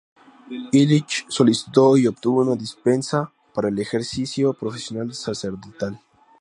Illich solicitó y obtuvo una dispensa para el ejercicio profesional sacerdotal.